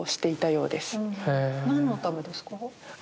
何のためですか？